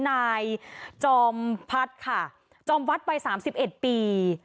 นายจอมพัฒน์ค่ะจอมวัดวัย๓๑ปี